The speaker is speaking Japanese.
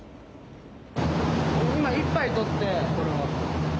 今１杯取ってこれは。